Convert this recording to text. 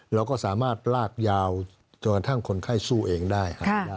เราก็สามารถลากยาวจนกระทั่งคนไข้สู้เองได้ครับ